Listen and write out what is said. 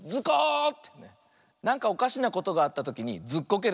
なんかおかしなことがあったときにずっこけるのね。